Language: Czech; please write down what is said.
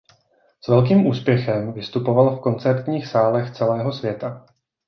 S velkým úspěchem vystupoval v koncertních sálech celého světa.